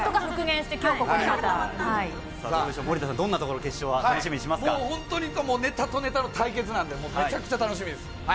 森田さん、どんなところを決ネタとネタの対決なんで、めちゃくちゃ楽しみです。